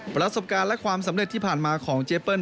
ประสบการณ์และความสำเร็จที่ผ่านมาของเจเปิ้ล